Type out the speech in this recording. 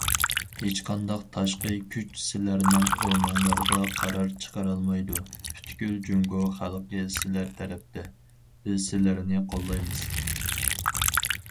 ھېچقانداق تاشقى كۈچ سىلەرنىڭ ئورنۇڭلاردا قارار چىقىرالمايدۇ، پۈتكۈل جۇڭگو خەلقى سىلەر تەرەپتە، بىز سىلەرنى قوللايمىز.